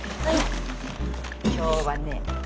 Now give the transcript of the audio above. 今日はね